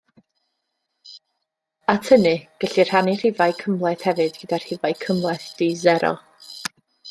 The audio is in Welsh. At hynny, gellir rhannu rhifau cymhleth hefyd gyda rhifau cymhleth di-sero.